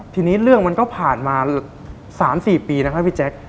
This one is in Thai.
ทีนี้เรื่องมันก็ผ่านมา๓๔ปีนะคะพี่แจ๊ค